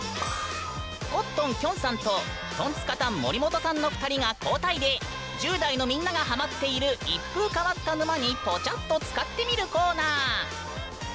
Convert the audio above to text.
コットンきょんさんとトンツカタン森本さんの２人が交代で１０代のみんながハマっている一風変わった沼にポチャっとつかってみるコーナー。